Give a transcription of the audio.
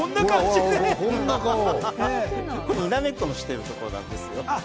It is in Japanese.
にらめっこしてるところなんですよ。